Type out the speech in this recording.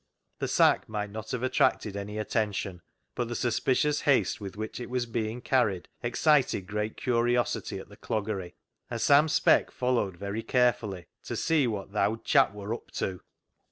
The sack might not have attracted any attention, but the suspicious haste with which it was being carried excited great curiosity at the cloggery, and Sam Speck followed very carefully to see what " th' owd chap wor up to."